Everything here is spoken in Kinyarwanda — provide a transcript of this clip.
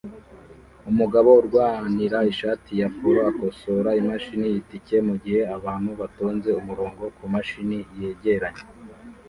Umugabo urwanira ishati ya polo akosora imashini itike mugihe abantu batonze umurongo kumashini yegeranye